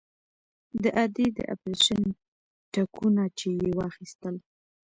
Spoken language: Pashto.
د ادې د اپرېشن ټکونه چې يې واخيستل.